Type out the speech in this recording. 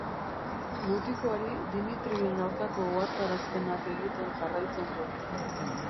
Mutikoari Dmitriren aurkako ohartarazpenak egiten jarraitzen du.